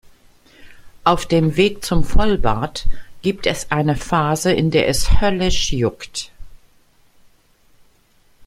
Auf dem Weg zum Vollbart gibt es eine Phase, in der es höllisch juckt.